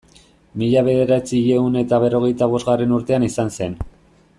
Mila bederatziehun eta berrogeita bosgarren urtean izan zen.